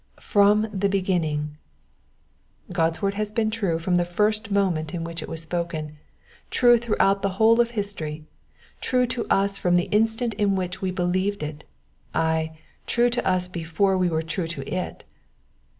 ^^From the heginning,'*'' God's word has been true from the first moment in which it was spoken, true throughout the whole of history, true to us from the instant in which we believed it, ay, true to us before we were true to it.